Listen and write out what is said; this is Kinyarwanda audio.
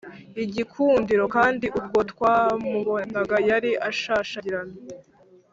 igikundiro kandi ubwo twamubonaga yari ashashagirana